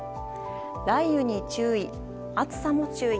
雷雨に注意、暑さも注意。